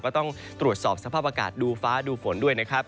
ก็ต้องตรวจสอบสภาพอากาศดูฟ้าดูฝนด้วยนะครับ